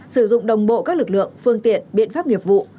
sử dụng đồng bộ các lực lượng phương tiện biện pháp nghiệp vụ